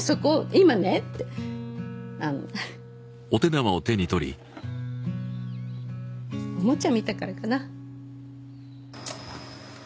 今ねっておもちゃ見たからかな？